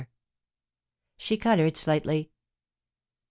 She coloured slightly.